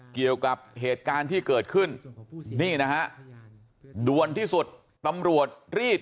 เกี่ยวกับเหตุการณ์ที่เกิดขึ้นนี่นะฮะด่วนที่สุดตำรวจรีด